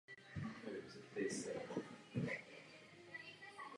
Ve druhé polovině dvacátého století zámecký areál využíval státní statek.